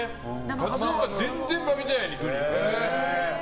カツオが全然負けてないの。